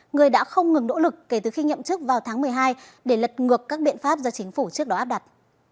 người đã không ngừng nỗ lực kể từ khi nhậm chức vào tháng một mươi hai để lật ngược các biện pháp do chính phủ trước đó áp đặt